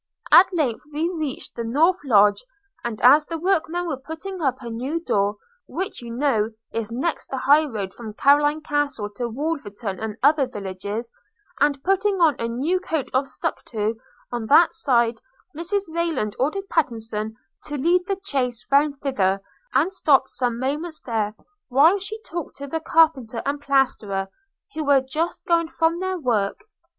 At length we reached the north lodge; and as the workmen were putting up a new door, which you know is next the high road from Carloraine Castle to Wolverton and other villages, and putting on a new coat of stucco on that side, Mrs Rayland ordered Pattenson to lead the chaise round thither, and stopped some moments there, while she talked to the carpenter and plasterer, who were just going from their work.